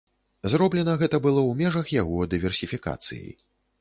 Зроблена гэта было ў межах яго дыверсіфікацыі.